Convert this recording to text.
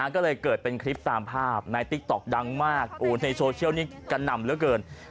ก็เลยเกิดเป็นคลิปตามภาพในติ๊กต๊อกดังมากในโซเชียลนี้กระหน่ำเหลือเกิน